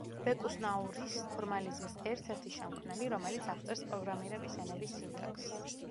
ბეკუს–ნაურის ფორმალიზმის ერთ–ერთი შემქმნელი, რომელიც აღწერს პროგრამირების ენების სინტაქსს.